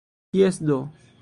Jes do!